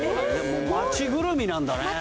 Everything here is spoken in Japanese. もう街ぐるみなんだね街